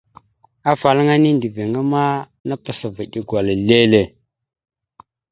Afalaŋa nindəviŋáma napas va eɗe gwala lele.